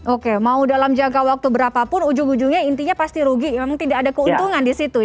oke mau dalam jangka waktu berapapun ujung ujungnya intinya pasti rugi memang tidak ada keuntungan di situ